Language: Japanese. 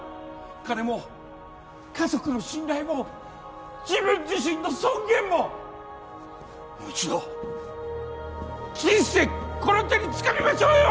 金も家族の信頼も自分自身の尊厳ももう一度人生この手につかみましょうよ！